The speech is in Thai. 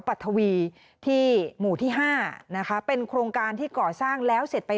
ปัทวีที่หมู่ที่ห้านะคะเป็นโครงการที่ก่อสร้างแล้วเสร็จไป